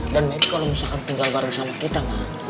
dan melly kalau misalkan tinggal bareng sama kita mak